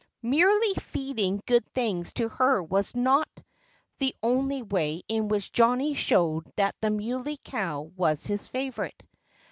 Merely feeding good things to her was not the only way in which Johnnie showed that the Muley Cow was his favorite.